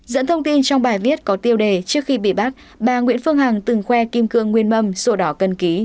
dẫn thông tin trong bài viết có tiêu đề trước khi bị bắt bà nguyễn phương hằng từng khoe kim cương nguyên mâm sổ đỏ cần ký